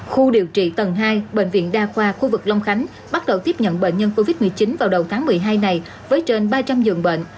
khu điều trị tầng hai bệnh viện đa khoa khu vực long khánh bắt đầu tiếp nhận bệnh nhân covid một mươi chín vào đầu tháng một mươi hai này với trên ba trăm linh giường bệnh